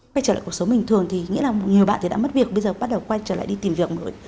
quay trở lại cuộc sống bình thường thì nghĩa là nhiều bạn thì đã mất việc bây giờ bắt đầu quay trở lại đi tìm việc rồi